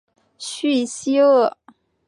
叙西厄。